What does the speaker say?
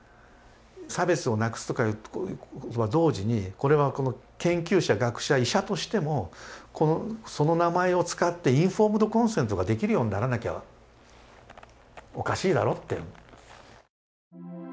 差別をなくすとかと同時にこれは研究者学者医者としてもその名前を使ってインフォームドコンセントができるようにならなきゃおかしいだろって。